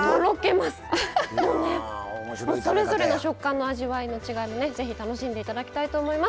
もうねそれぞれの食感の味わいの違いもね是非楽しんでいただきたいと思います。